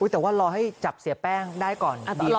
แต่ว่ารอให้จับเสียแป้งได้ก่อน